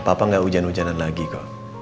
papa nggak hujan hujanan lagi kok